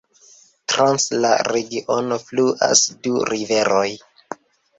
Trans la regiono fluas du riveroj.